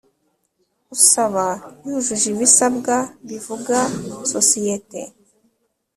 Usaba wujuje ibisabwa bivuga sosiyete